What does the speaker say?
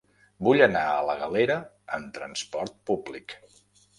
Vull anar a la Galera amb trasport públic.